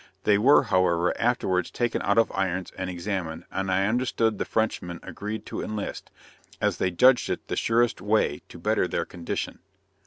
They were, however, afterwards taken out of irons and examined; and I understood the Frenchmen agreed to enlist, as they judged it the surest way to better their condition.